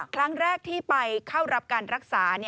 ครั้งแรกที่ไปเข้ารับการรักษา